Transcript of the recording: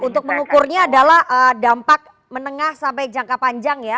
untuk mengukurnya adalah dampak menengah sampai jangka panjang ya